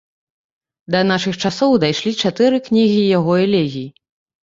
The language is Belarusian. Да нашых часоў дайшлі чатыры кнігі яго элегій.